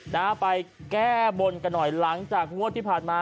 นะฮะไปแก้บนกันหน่อยหลังจากงวดที่ผ่านมา